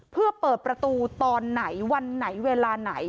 เพื่อเปิดประตูตอนไหนวันไหนเวลาไหน